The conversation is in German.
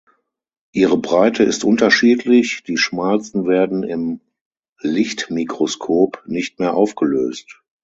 Ihre Breite ist unterschiedlich, die schmalsten werden im Lichtmikroskop nicht mehr aufgelöst.